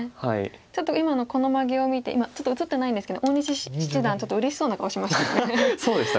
ちょっと今のこのマゲを見て映ってないんですけど大西七段ちょっとうれしそうな顔をしましたね。